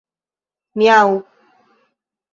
miaŭ